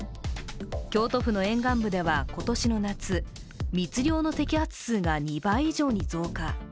京都府の沿岸部では今年の夏、密漁の摘発数が２倍以上に増加。